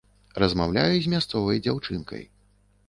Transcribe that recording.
Размаўляю з мясцовай дзяўчынкай.